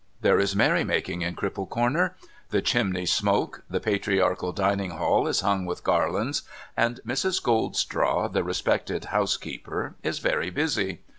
There is merry making in Cripple Corner, the chimneys smoke, the patriarchal dining hall is hung with garlands, and Mrs. Goldstraw, the respected housekeeper, is very busy.